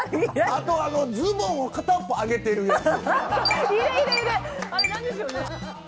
あと、ズボンをかたっぽあげてるやつ。